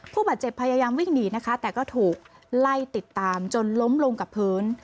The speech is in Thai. ผู้บาดเจ็บพยายามวิ่งหนีนะคะแต่ก็ถูกไล่ติดตามจนล้มลงกับพื้น